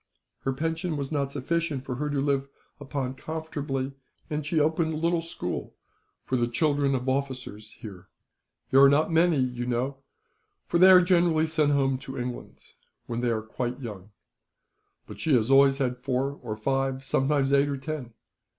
Her pension was not sufficient for her to live upon comfortably, and she opened a little school for the children of officers here. "There are not many, you know, for they are generally sent home to England, when they are quite young. But she has always had four or five, sometimes eight or ten.